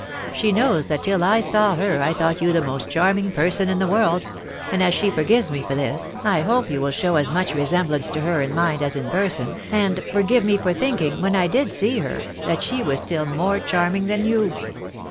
She knows that till I saw her I thosgst you the most charming person in the world ; jrad as aba Ar gives me for this, I hope you will show as much veseaablasce to her in mind as in person, and forgive me for thfaUag when I did see her, that she was still mote charming thai you?"